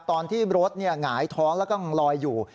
ตอนที่รถหงายท้องแล้วก็ยังลอยอยู่